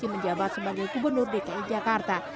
menjabat sebagai gubernur dki jakarta